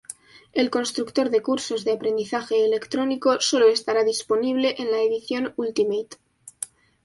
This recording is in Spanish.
El constructor de cursos de aprendizaje electrónico sólo estará disponible en la edición Ultimate.